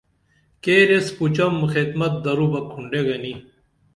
کیریس پُچم خدمت درو بہ کُھنڈے گنی